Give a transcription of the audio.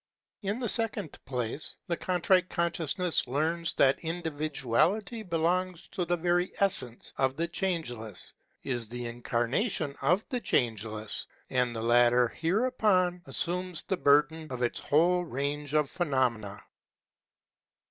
In the second place, the Contrite Consciousness learns that individuality belongs to the very essence of the Changeless, is the incarnation of the Changeless ; and the latter hereupon assumes the burden of this whole range of phenom ena.